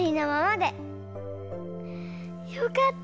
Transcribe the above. よかった。